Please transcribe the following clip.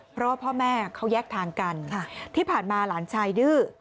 เพราะว่าพ่อแม่เขาแยกทางกันที่ผ่านมาหลานชายดื้อ